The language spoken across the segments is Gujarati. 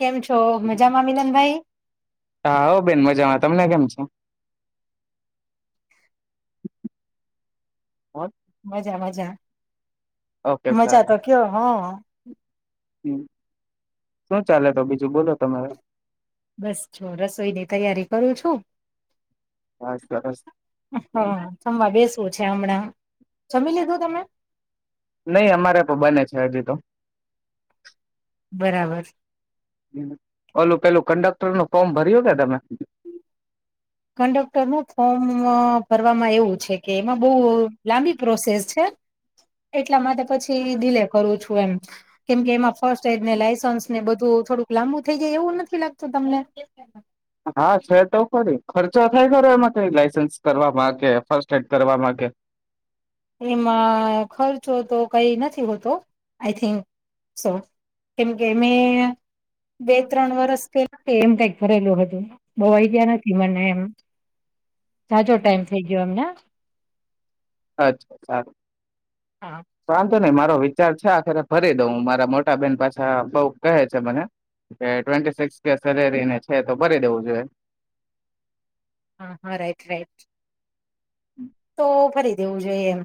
કેમ છો મજામાં મિલન ભાઈ હા હો બેન મજામાં તમને કેમ છે હો મજા મજા ઓકે મજા તો કયો હો [inaudible] હુમ શું ચાલે તો બીજું બોલો તમારે બસ જો રસોઈની તૈયારી કરું છું. હા સરસ હા જમવા બેસવું છે હમણાં જમી લીધું તમે નહી અમારે તો બને છે હજી તો બરાબર ઓલું પેલું કંડક્ટર નું ફમ ભર્યો કે તમે કંડક્ટર નું ફોર્મ ભરવામાં એવું છે. કે એમાં બહુ લાંબી પ્રોસેસ છે એટલા માટે પછી ડીલે કરું છું એમ કેમકે એમાં ફર્સ્ટ એડ ને લઇસન્સ ને બધું થોડુંક લાંબુ થઈ જાય એવું નથી લાગતું તમને હા છે તો પડી ખર્ચા થાય ખરો એમાં કઈ લાાઈસન્સ કરવાવામાં કે ફર્સ્ટ એડ કરવાવામાં કે એમાં ખર્ચો તો કઈ નથી હોતો આઈ થિંક સો કેમકે મેમે બે ત્રણ વરસ પ એમ કઈક ભરેલું હતું બવ આઈયાનથી મને એમ સાચો ટાઈમ થઇ ગયો અમના અચ્છા વાધો નહી મારો - વિચાર છે આખરે ભરી દઉં મારા મોટા બેેન પાછા બ કહે છે મને કે ટવ સેલેરીને છે તો ભરી દવું જોઈ હા હા રઈટ રઈટ તો ફરી દેવું જોઈએ એમ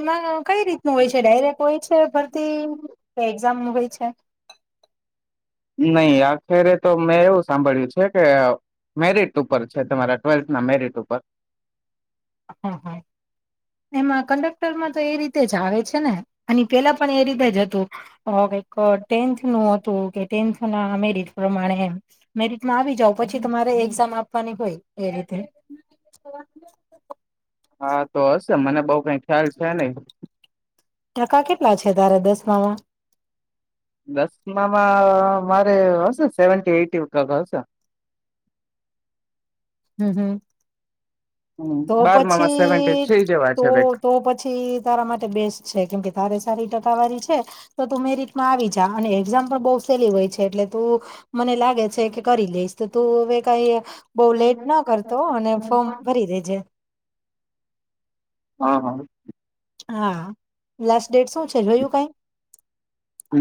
એમાં કઈ રીતનું હોય છે ડાયરેક્ટ હોય છે ભરતી એક્ઝામ હોય કય અચ છેા નહી આખરે તો મેં એવું સાંભળ્યું છે કે મેરિટ ઉપર છે તમારા ટ્વેલ્થ ના મેરિટ ઉપર હા હા, એમાં કંડક્ટરમાં તો એ રીતે જ આવે છે ને. અને પેલા પણ એ રીતે જ ટેથ ન હતું કે ટેન્થ ના મેરટ પ્રમાણે, મે આવી જાવ પછી તમારે એઝામ આપવાની હોય એ રીતે. [inaudible] હા તો હશે મને બઉ કઈ ખ્યાલ છે નહી. ટકા કેટલા છે તારે દસમામાં? દસમામાં મારે હશે સેવી એટી હશે. હ હમ. હમ તો બારમામાં સેવન્ટી પછી થ્રી જેવા તો છે કઈક તો પછી તારા માટે બેસ્ટ છે કેમકે તારે સારી ટકાવારી છે. તો તું મેરિટમાં આવી જા અને એક્ઝામ પણ બઉ સેલી હોય છે એટલે તું, મને લાગે છે કે કરી લઈશ તો તું હવે કઈ બઉ લેટ ના કરતો અને ફોર્મ ભરી દે. હા હા. હા લાસ્ટ ડેટ શું છે જોયું કઈ?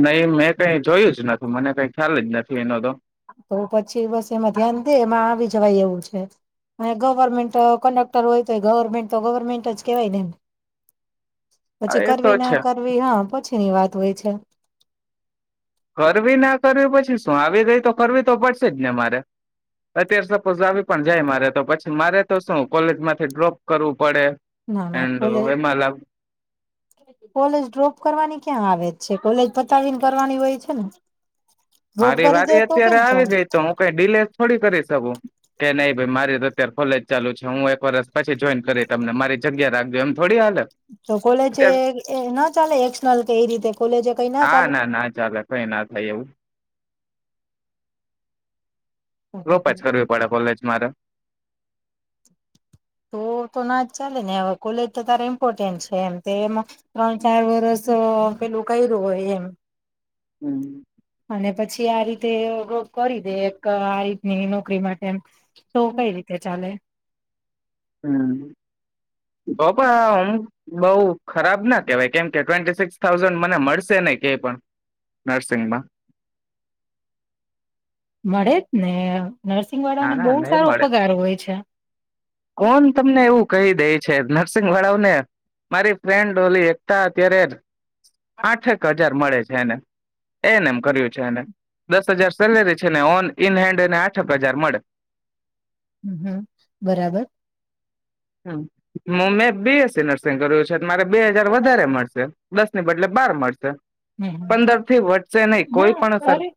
નહી મેં કઈ જોયું જ નથી મને કઈ ખ્યાલ જ નથી એનો તો. તો પછી બસ એમાં ધ્યાન દે એમાં આવી જવાય એવું છે, અને ગવર્મેન્ટ કન્ડક્ટર હોય તો ગવર્મેન્ટ તો ગવર્મેન્ટ જ કેવાય ને. હા પછી એ તો કરવી ના છે કરવી હા પછી તે ની વાત હોય છે. કરવી ના કરવી પછી શું આવી ગઈ તો કરવી તો પડશે જ ને મારે, અત્યારે સપોઝ આવી પણ જાય મારે તો પછી મારે તો શું કોલેજ માંથી ડ્રોપ કરવું પડે ના ના એન્ડ કોલે એમાં લાગ કોલેજ ડ્રોપ કરવાની ક્યાં આવે છે. કોલેજ પતાવીને કરવાની હોય છે ને. ડ્રોપ મારી કરી દે વારી તો અત્યારે કેમ આવી ચાલે ગઈ તો હું કઈ ડીલે થોડી કરી શકું. કે નહી ભાઈ મારી તો અત્યારે કોલેજ ચાલુ છે હું એક વરષ પછી જોઈન કરી તમને મારી જગ્યા રાખજો એમ. થોડી હાલે તો કોલેજ ના ચાલે એક્સનલ કે એ રીતે કોલેજ કઈ ના હા ચાલે? ના ચાલે કઈ ના થાય એવું રોપ જ કરવી પડે કોલેજ મારે. ત તો ના જ ચાલે ને હવે કોલેજ તો તારેા ઇમ્પોર્ટેન્ટ છે એમ તે એમાં ત ચાર વર્ષ પેલું ક્યું હોય એમ. હમ. અને પછી આ રીતે કરી દે એક આ રીતની નોકરી માટે એમ. તો કઈ રીતે ચાલે. હમ, પાપા હમ. બઉ ખરાબ ના કેહેવાય કેમ કે ટ્વેન્ટી સિક્સ થાઉઝન્ડ મને મળશે નહ ક પણ, નર્સિંગમાં. મળે જ નેહ. ના ના નહી મળે છે કોણ તમને એવું કહી દઈ. છે, નર્સિંગ વળાવને મારી ફ્રેન્ડ ઓલી એકતા અત્યારે આઠેક હજાર મળે છે એને એને એમ કર્યું છે એને દસ હજાર સેલેરી છેને ઓન ઇન હેન્ડ એને આઠક બજાર મળે. હમ હમ, બરાબર. હ, હું મે બીએસી નર્સ સેંગર્યો છે મારે બે હજાર વધારે મળશે. દસ ને બદલે બાર મળશે. હમ, પંદર થી વધશે નહી કોઈ ના પણ સર અરે,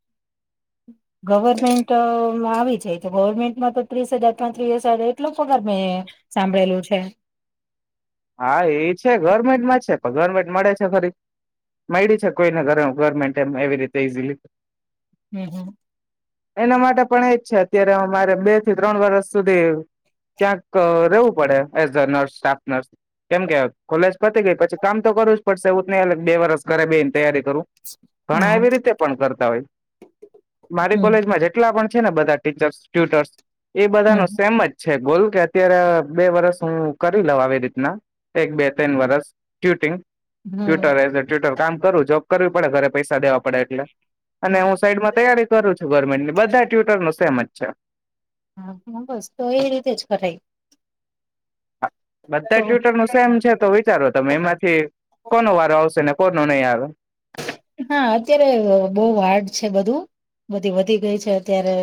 ગવર્મેન્ટમાં આવી જાય તો ગવર્મેન્ટમાં તો ત્રીસ હજાર ત્રણ ત્રીએસ હજાર ટલો પગાર મેં સાંભળેલું છે. હા, એ છે ગવર્મેન્ટમાં છે પણ ગવર્મેન્ટ મળે છે, ખરી મળડી છે, કોઈને ગરમ ગવર્મેન્ટ એમ ને એવી રીતે ઈઝીલી. હમ હમ. એના માટે પણ એજ છે, અત્યારે અમારે બે થી ત્રણ વરસ સુધી ક્યાંક રેવું પડે as the nurse staff nurse. કેમ કેય કોલેજ પતી ગઈ પછી કામ તો કરવું જ પડશે એવું જ નહી એટલ ક બે વરસ કરે બેહીન તૈયારી કરું ઘણા હા એવી રીતે પણ કર તા હોય મારી હમ કોલેજમાં જેટલા પણ છે ને બધા ટીચર્સ, ટ્યુટર્સ એ બધાનો હમ સેમ જ છ છે ગોલ કે અત્યારે બે વરસ હું કરી લઉ આવી રીતના એક બે તેન વરસ ટ્યુટિંગ હમ ટ્વિટર એઝ અ ટવિટર કામ કરું જોબ કરવી પડે ઘરે પૈસા દેવા પડે એટલે. અને હા હું સાઈડમાં તૈયારી કરું છું ગવર્મેન્ટની બધા ટ્યુટરનો સેમ જ છે હા, [unintelligible] બસ તો એ રીતે જ કરાય. હા, બધા તો ટ્યુટરનું સેમ છે તો વિચારો તમે એમાં તે કોનો વારો આવશે ને કો હું નહીં આવ હા, અત્યારે વ બહુ હાર્ડ છે બધું બધી વધી ગઈ છે, અત્યારે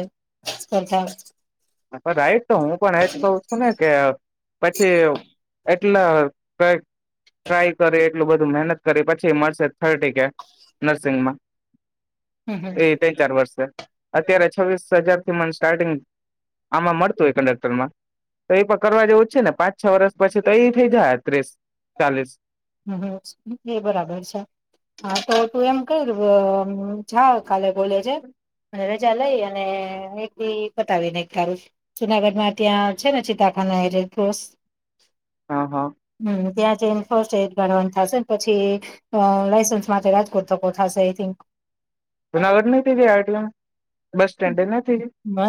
સરકાર હ, તો રાઈટ તો હું પણ એજ કહું છું ને કે અ પછી એવ એટલા ટ્રાય કરી એટલું બધું મહેનત કરી પછી મળશે થર્ટી કે નર્સિંગમાં હમ હમ એ ત ચાર વર્ષ અત્યારે છવ્વીસ હજાર થી મન સ્ટાર્ટિંગ આમાં મળતું હોય કંડક્ટરમાં તો એ પણ કરવા જેવું છે ને પાંચ છ વરષ પછી તો એ થઈ જાય ત્રીસ ચાલીસ હમ એ બરાબર છે હા તો તું એમ ક જા [inaudible] કાલે બોલે છે અને રજા લઈ અને એ પતાવી નને સારું જુનાગઢમાં ત્યાં છે ને ચિતતાખા રેડ્રોસ હા હા હમ ત્યા જેમફો ગણવાન થશે ને પછી અહ લઇસેન્સ માટલા તો થશેઈ થિંક જુનાગઢ નહ આરટીએમ બસ સ્ટેન્ડ એ નથી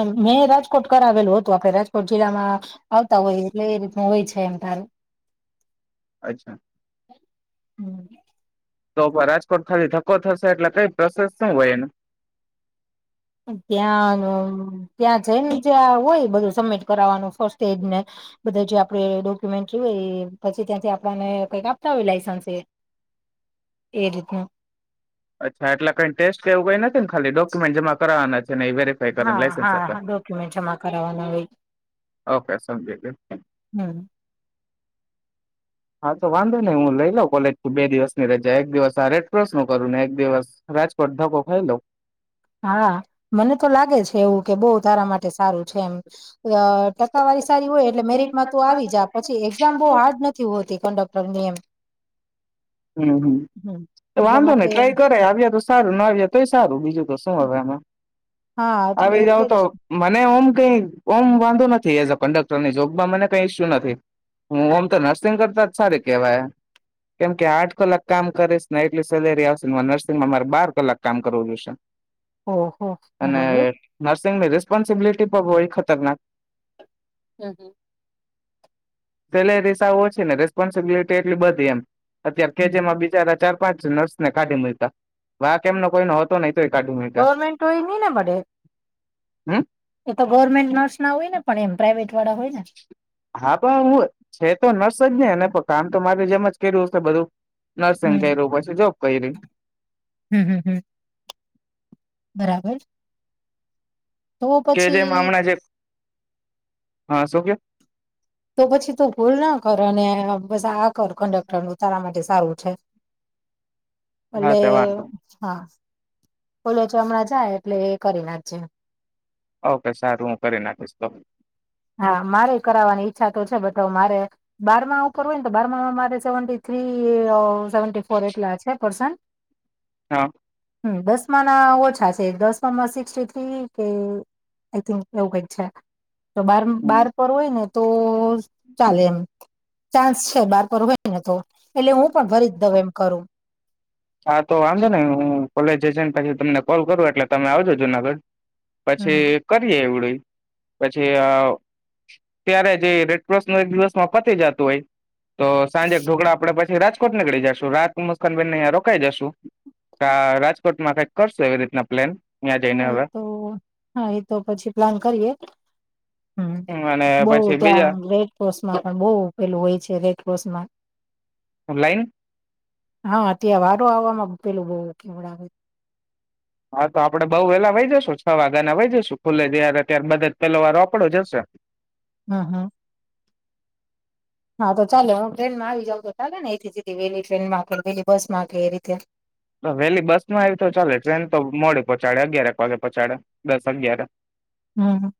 મેં રાજકોટ કર આવેલું હતું આપે રાજકોટ જિલ્લામાં આવતા હોય એટલે એ રીતનું હોય છે એમ તાર અચ્છા હમ તો પણ રાજકોટ ખાલી ધક્કો થશે એટલે કઈ પ્રોસેસ શું હોય એને ધ્યાનું ત્યાં જઈ ને ચ્યા હોય બધું સબમિટ કરવાનું ફસ્ટ એડને બધા જે આપણે ડોક્યુમેન્ટ હોય પછી ત્યાંથી આપને કઈક આપતા હોય લાઈસન્સ એ એ રીતનું અચ્છા એટલે કઈ ટેસ્ટ કેવું કઈ નથી ને ખાલી ડોક્યુમેન્ટ જમા કરના નથી ઓ હા હા ડોક્યુમેન્ટ જમા કરાવવાના હોય હમ હા તો વાંધો નહી હું લઈ લઉ કોલેજ બે દિવસની રજા એક દિવસ આ રેડ ક્રોસ નો કરું ને એક દિવસ રાજકોટ ધક્કો ખાઈ લઉ હા મને તો લાગે છે એવું કે બહ તારા માટે સારું છે એમ અ ટકાવારી સારી હોય એટલે મેરિટમાં તું આવી જા પછી એક્ઝામ બહુ હાર્ડ નથી હોતી કન્ડક્ટર એમ હમમ હમ એટલા વાંધો નને માટે ટ્રાય કરે આવ્યા તો સારું ના આવ્યા તોય સારું બીજું તો શું હવે એમાં હા એટલે આવી જાાવ એટલે તો જ મને ઓમ કઈ ઓમ વાંધો નથી એઝ અ કન્ડક્ટર ની જોબમાં મને કઈ ઈસ્યુ નથી હું ઓમ તો નર્સિંગ કરતા જ સારી કેહેવાય કેમ કે આઠ કલાક કામ કરીશ ને એટલી સેલેરી આવશે ને મારે નર્િંગમાં મારે બાર કલાક કામ કરવું જોઈશે ઓહો અને બરાબર નર્સિંગ ર પોન્સબિલિટી પ એ ખતરનાક હ હ પેલે રિસા ઓછી ને રેસ્પોન્સિબિલિટી એટલી બધી એમ અત્ય્યારે હમ ખેચેમાં બીજા ચાર પાંચ નર્સ ને કાઢી મળતા વાક એમનો કોઈ ન હતો નહ ગવર્મેન્ટ હોય નહી ને મળે, [inaudible] એ તો ગવર્મેન્ટ નર્સ ના હોય ને પણ એમ પ્રાઇવેટ હા પણ હું છે, તો ન શને પ કામ તો મારે જેમ જ કર્યુંશે બધું નરસિંહ હમ કું પછી જો કઈ રહી હમ હમ હમ બરાબર તો કે જેમ પછી હમણાં જે હા શું કે તો પછી તો ભૂલ ના કર બસ આ કન્ડક્ટર નું તારા માટે સારું છે, હા ભલે તે વાંધો હા બોલો ચો હમણાં જાય એટલે એ કરી નાખજે ઓકે સારું હું કરી નાખીશ તો હા મારે કરાવવાની ઈચ્છા તો છે બટ મારે બારમા કરવુંયને તો બારમામાં મારે સેવી થ્રી સેવન્ટી ફોર એટલા છે, પર્સન હા હમ દસમા ના ઓછા છે, દસમામાં સિક્સી થ્રી કે આઈ થિંક એવું કઈક છે. તો બાર બાર પર હોય ને તો ચાલે એમ ચાન્સ છે, બાર પર હોય ને તો એટલે હું પણ ફરી જ દઉ એમ કરું, હા, તો આમજો ને હું કોલેજ એજછી તમને કોલ કરું એટલે તમે આવજો જુનાગઢ હમ પછી કરીએ એવડું પછી ત્યારે જે રેડ્રોસ ન એક દિવસમાં પતી જતું હોય, તો સાંજે ઢોકળા આપડે પછી રાજકોટ નીકળી જશું રાત મુસ્કાનબેનો કઈ જશું, રાજકોટમાં કઈક કરશો એવી રીતના પ્લેન ત્યાં જઈને હા એ હવે તો હા એ તો પછી પ્લાન કરીએ, હમ અને બઉ પછી બીજા ત્યાં રેડ ક્રોસમાં પણ બહુ ઉેલું હોય છે, રેડ ક્રોસ માં ઓનલાઈન હા, ત્યાં વારો આવવામાં પેલું બહ કેવડાવે હા તો આપડે બઉ વેલા વહી જશુ છ વાગ્યા ના વહી જશું, ખુલે જ્યારે ત્યારબદ પેલો વારોપડો જશે, હા હા હા તો ચાલે હું ટ્રેનમાં આવી જાઉં તો ચાલે ને એથી સીધી વેલી ટ્રેન માં કેે વેલી બસ માં એ રીતે વેહેલી બસ નો આવી તો ચાલે ટ્રેન તો મોડીે પહોચાડે અગિયારક વાગે પહોંચાડે દસ અગિયાર હમ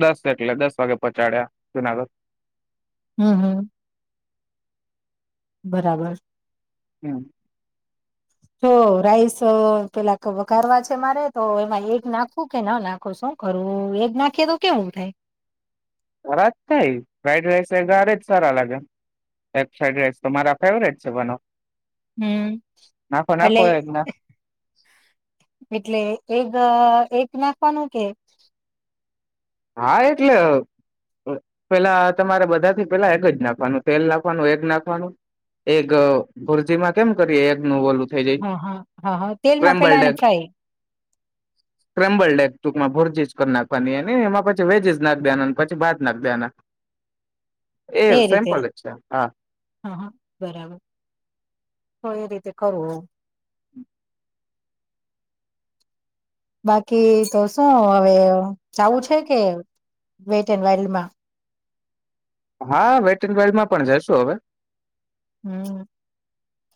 દસ એટલે દસ વાગે પહોચાડ્યા જુનાગઢ હમ હમ બરાબર હમ તો રાઈસ પેલા વગારવા છે મારે તો એમાં એગ નાખવું કે ના નાખવું શું કરવું એગ નાખીએ તો કેવું થાય સારા જ થાય ફ્રાડ રાઈસ એગ જ સારા લાગે ફ્રાડ રાઈસ તો મારા ફેવરેટ છે બનો હમ નાખો એલે નાખો એગ નાખો એટલે એગ એક નાખવાનું કે હા એટલે પેલા તમારે બધાથી પેલા એગ જ નાખવાનું તેલ નાખવાનું એગ નાખવાનું એગ ભુરજીમાં કેમ કરીએ એગનું ઓલું થઈ જાય હા હા હા હા તેલમાં સ્ક્રેમ્બલ પેલા એને ડેક ફ્રાય સ્કમ્બલ ડેક ટૂંકમાં ભોર ચજ કરી નાખવાની ને એમાં પછી વેજીસ નાખ દેના પછી ભાત નાખ દેના એ રીતે હા હ બરાબર એ રીતે કરો [inaudible] બાકી તો શું હવે જાવું છે કે વેટ એન્ડ વર્લ્ડમાં હા વેટ એન્ડ વર્લ્ડમાં પણ જઈશું હવે હમ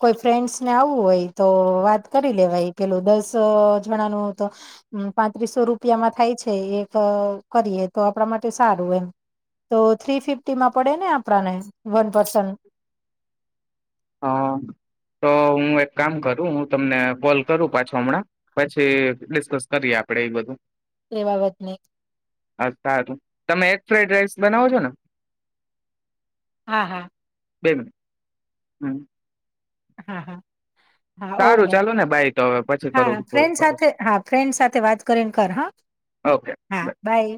કોઈ ફ્રેન્ડસ ને આવું હોય તો વાત કરી લેવાય પેલું દસ જવાનું તો પાંત્રીસો રૂપિયામાં થાય છે એક કરીએ તો આપણા માટે સારું એમ તો થ્રી ફિફ્ટીમાં પડે ને આપણાને વન પર્સન હ તો હું એક કામ કરું હું તમને કોલ કરું પાછા હમણાં પછી ડિસ્કસ કરીએ આપડે એ બધું એ બાબત નહી હ સારું તમે એગ ફ્રાઈડ રાઈસ બનાવો છો ને હા હા [unintelligible] હમ હા હા હા સારું ઓકે ચાલો ને બાય તો હવે પછી હા કરું કોલ ફ્રેન્ડ કરું સાથે હા ફ્રેન્ડ સાથે વાત કરીને કર હા ઓકે બાય હા બાય